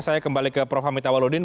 saya kembali ke prof hamitha walodin